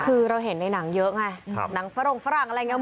คือเราเห็นในหนังเยอะไงหนังฝรงฝรั่งอะไรอย่างนี้